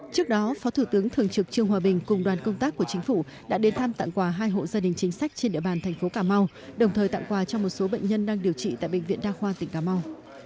trước đó phó thủ tướng thường trực trương hòa bình cùng đoàn công tác của chính phủ đã đến thăm tặng quà hai hộ gia đình chính sách trên địa bàn thành phố cà mau đồng thời tặng quà cho một số bệnh nhân đang điều trị tại bệnh viện đa khoa tỉnh cà mau